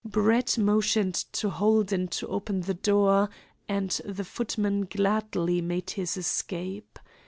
Brett motioned to Holden to open the door, and the footman gladly made his escape.